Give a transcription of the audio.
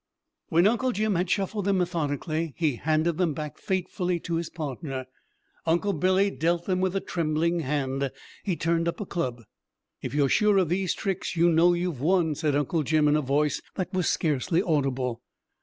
When Uncle Jim had shuffled them methodically he handed them back fatefully to his partner. Uncle Billy dealt them with a trembling hand. He turned up a club. "If you are sure of these tricks you know you've won," said Uncle Jim in a voice that was scarcely audible.